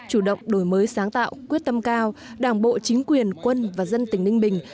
chủ động đổi mới sáng tạo quyết tâm cao đảng bộ chính quyền quân và dân tỉnh ninh bình